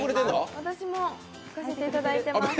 私も履かせていただいています。